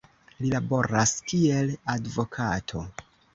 Li laboras kiel advokato.